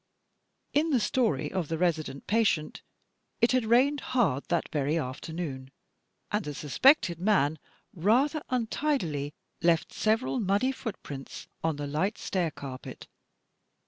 In the story of "The Resident Patient," it had "rained hard that very afternoon" and the suspected man rather imtidily left several muddy footprints on the light stair carpet.